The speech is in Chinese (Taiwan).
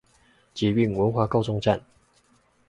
捷運文華高中站